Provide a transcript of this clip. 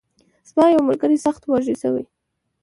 زما یو ملګری سخت وږی شوی.